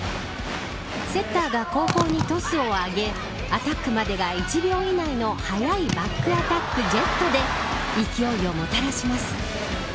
セッターが後方にトスを上げアタックまでが１秒以内の早いバックアタックジェットで勢いをもたらします。